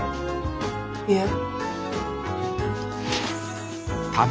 いえ。